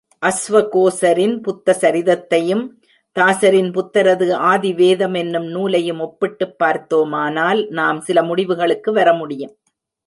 அஸ்வகோசரின் புத்தசரிதத்தையும், தாசரின் புத்தரது ஆதிவேதம் எனும் நூலையும் ஒப்பிட்டுப் பார்த்தோமானால் நாம் சில முடிவுகளுக்கு வர முடியும்.